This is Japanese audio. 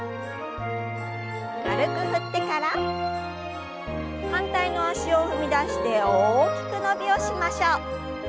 軽く振ってから反対の脚を踏み出して大きく伸びをしましょう。